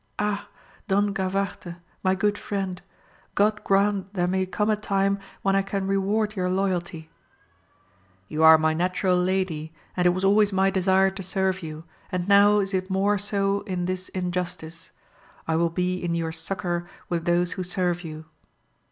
— ^Ah, Don Gavarte my good Mend ! God grant there may come a time when I can reward your loyalty 1 — You are my natural lady, and it was alway my desire to serve you, and now is it more so in this injustice. I will be in your succour with those who serve you.